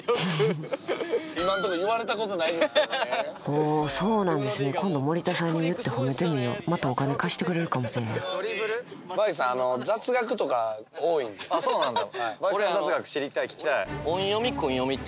ほうそうなんですね今度森田さんに言って褒めてみようまたお金貸してくれるかもせぇへんそうなんだ。